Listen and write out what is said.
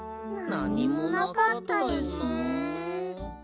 なにもなかったですね。